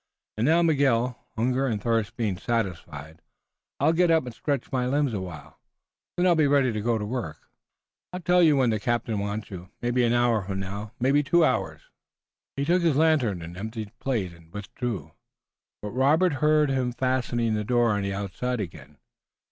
And now, Miguel, hunger and thirst being satisfied, I'll get up and stretch my limbs a while. Then I'll be ready to go to work." "I tell you when the captain wants you. Maybe an hour from now, maybe two hours." He took his lantern and the empty plate and withdrew, but Robert heard him fastening the door on the outside again.